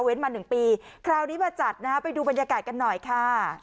มา๑ปีคราวนี้มาจัดนะฮะไปดูบรรยากาศกันหน่อยค่ะ